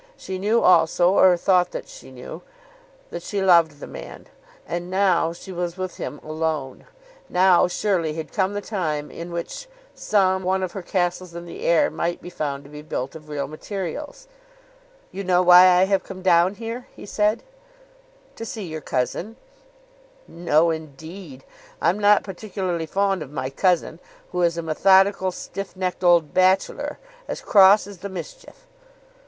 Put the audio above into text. She knew also, or thought that she knew, that she loved the man. And now she was with him alone! Now surely had come the time in which some one of her castles in the air might be found to be built of real materials. "You know why I have come down here?" he said. [Illustration: "You know why I have come down here?"] "To see your cousin." "No, indeed. I'm not particularly fond of my cousin, who is a methodical stiff necked old bachelor, as cross as the mischief."